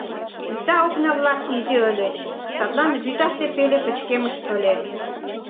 Вӱта окна-влак изи ыльыч, садлан вӱташте пеле пычкемыш ыле.